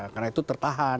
karena itu tertahan